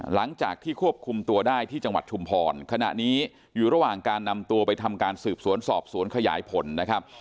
หลังจากที่ควบคุมตัวได้ที่จังหวัดชุมพรขณะนี้อยู่ระหว่างการนำตัวไปทำการสืบสวนสอบสวนขยายผลนะครับ